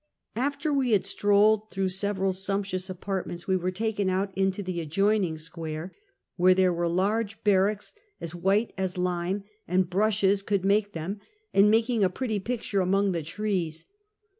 After we had strolled through several sumptuous apartments, we were taken out into the adjoining Two Kinds of Appeeciation. 291 square, wliere tliere were large barracks as white as lime and brushes could make them, and making a pretty picture among the trees.